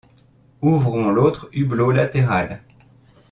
Ouvrons l’autre hublot latéral.